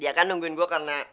ya kan nungguin gue karena